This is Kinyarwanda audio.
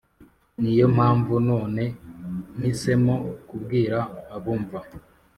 Niyo mpamvu none mpisemo kubwira abumva